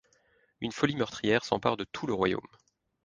Une folie meurtrière s'empare de tout le Royaume.